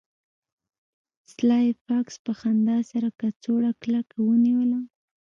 سلای فاکس په خندا سره کڅوړه کلکه ونیوله